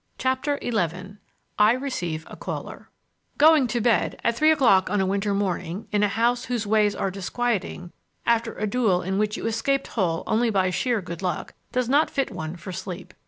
CHAPTER XI I RECEIVE A CALLER Going to bed at three o'clock on a winter morning in a house whose ways are disquieting, after a duel in which you escaped whole only by sheer good luck, does not fit one for sleep.